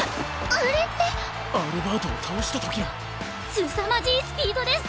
あれってアルバートを倒したときのすさまじいスピードです